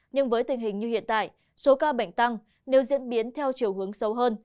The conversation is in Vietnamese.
nhưng với tình hình như hiện tại số ca bệnh tăng nếu diễn biến theo chiều hướng sâu hơn